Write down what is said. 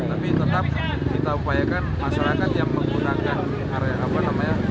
tapi tetap kita upayakan masyarakat yang menggunakan area apa namanya